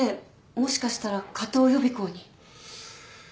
もしかしたら加藤予備校に。